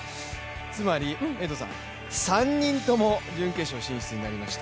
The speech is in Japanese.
つまり３人とも準決勝進出になりました。